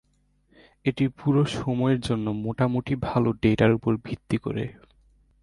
এটি পুরো সময়ের জন্য মোটামুটি ভাল ডেটার উপর ভিত্তি করে।